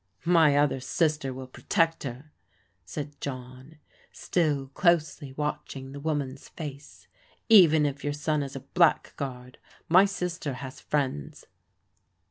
" My other sister will protect her," said John, still closely watching the woman's face. " Even if your son is a blackguard, my sister has friends."